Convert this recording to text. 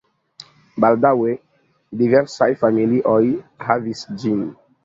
Baldaŭe diversaj familioj havis ĝin.